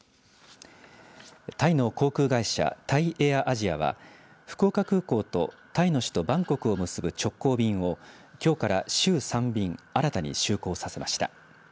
タイの航空会社タイ・エアアジアは福岡空港とタイの首都バンコクを結ぶ直行便をきょうから週３便新たに就航させました。